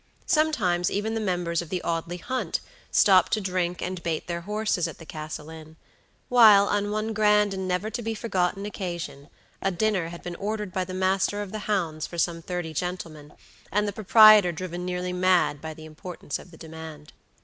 Sometimes even the members of the Audley hunt stopped to drink and bait their horses at the Castle Inn; while, on one grand and never to be forgotten occasion, a dinner had been ordered by the master of the hounds for some thirty gentlemen, and the proprietor driven nearly mad by the importance of the demand.